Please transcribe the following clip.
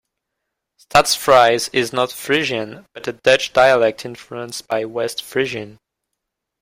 Stadsfries is not Frisian, but a Dutch dialect influenced by West Frisian.